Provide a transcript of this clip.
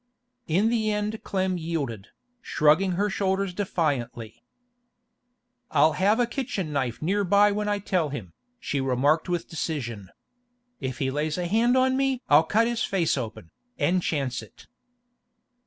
In the end Clem yielded, shrugging her shoulders defiantly. 'I'll have a kitchen knife near by when I tell him,' she remarked with decision. 'If he lays a hand on me I'll cut his face open, an' chance it!